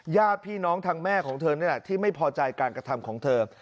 ญาติพี่น้องทางแม่ของเธอนี่แหละที่ไม่พอใจการกระทำของเธอ